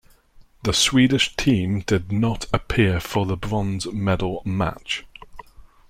The Swedish team did not appear for the bronze medal match.